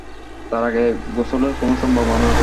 তার আগে গোসলের কোনো সম্ভাবনা নেই।